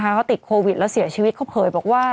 เขาติดโควิดแล้วเสียชีวิตเขาเผยบอกว่า